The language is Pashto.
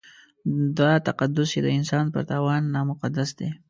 دا تقدس یې د انسان پر تاوان نامقدس دی.